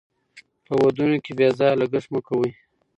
په ودونو کې بې ځایه لګښت مه کوئ.